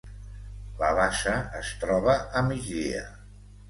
La bassa es troba a migdia.